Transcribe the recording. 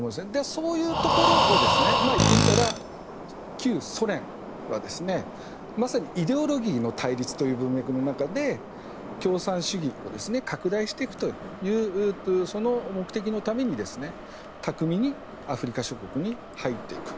そういうところを言ってみたら旧ソ連は、まさにイデオロギーの対立という文脈の中で共産主義を拡大していくというその目的のために巧みにアフリカ諸国に入っていく。